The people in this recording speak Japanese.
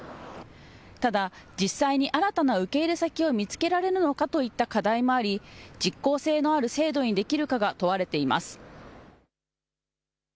ただ実際に新たな受け入れ先を見つけられるのかといった課題もあり実効性のある制度にできるかが問われています。